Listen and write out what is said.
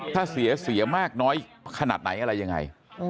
ถ้าเสียเสียมากน้อยขนาดไหนอะไรยังไง